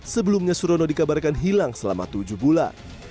sebelumnya surono dikabarkan hilang selama tujuh bulan